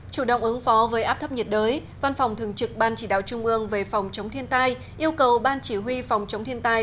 chủ động ứng phó với áp thấp nhiệt đới văn phòng thường trực ban chỉ đạo trung ương về phòng chống thiên tai yêu cầu ban chỉ huy phòng chống thiên tai